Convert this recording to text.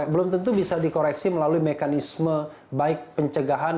belum tentu bisa dikoreksi melalui mekanisme baik pencegahan